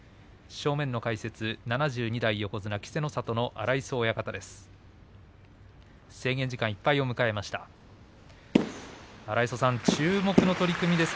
正面の解説は７２代横綱稀勢の里の荒磯親方です。